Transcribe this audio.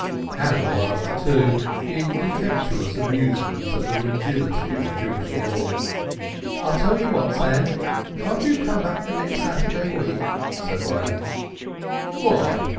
Hannah laughed too, in contemptuous amusement at the rigidity of Jewish Law. "I'll tell you what, Sam, can't you come back for next Saturday week?" said Leah. "Why?"